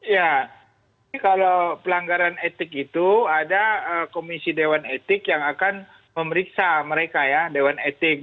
ya kalau pelanggaran etik itu ada komisi dewan etik yang akan memeriksa mereka ya dewan etik